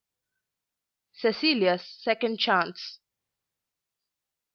CECILIA'S SECOND CHANCE.